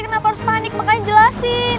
kenapa harus panik makanya jelasin